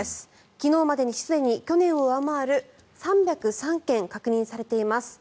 昨日までにすでに去年を上回る３０３件確認されています。